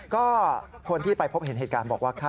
ก็คนที่ไปพบเห็นเหตุการณ์บอกว่า